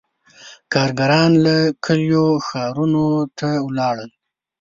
• کارګرانو له کلیو ښارونو ته ولاړل.